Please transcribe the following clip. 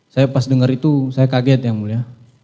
saya pas denger itu saya kaget ya mulia